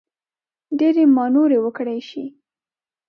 ډېرې مانورې وکړای شي.